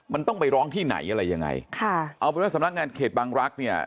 มันต้องไปร้องที่ไหนอะไรยังไงเอาเป็นสำนักงานเขตบังรักษ์